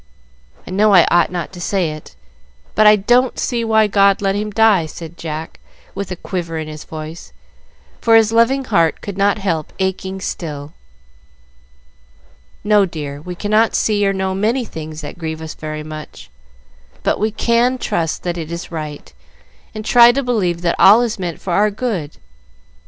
I know I ought not to say it, but I don't see why God let him die," said Jack, with a quiver in his voice, for his loving heart could not help aching still. "No, dear, we cannot see or know many things that grieve us very much, but we can trust that it is right, and try to believe that all is meant for our good.